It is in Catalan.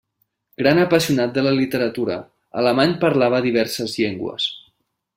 Gran apassionat de la literatura, Alemany parlava diverses llengües.